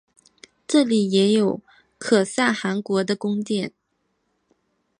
这里也有可萨汗国的宫殿。